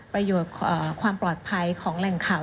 ประโยชน์ความปลอดภัยของแหล่งข่าว